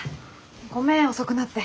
ごめん遅くなって。